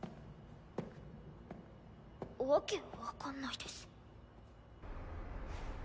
訳分かんないです。